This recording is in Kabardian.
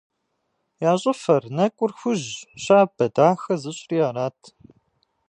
Я щӏыфэр, нэкӏур хужь, щабэ, дахэ зыщӏри арат.